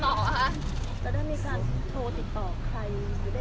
นี่ก็คือไม่มีใครออกมาเลย